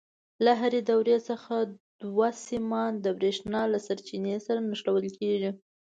له هرې دورې څخه دوه سیمان د برېښنا له سرچینې سره نښلول کېږي.